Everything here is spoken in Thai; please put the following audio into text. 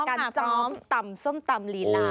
สำหรับการซ่อมตำส้มตำลีลา